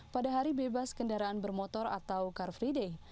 pada hari bebas kendaraan bermotor atau car free day